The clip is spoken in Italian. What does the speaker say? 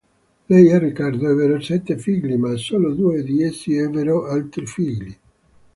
Lei e Riccardo ebbero sette figli, ma solo due di essi ebbero altri figli.